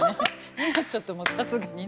ちょっともうさすがにね。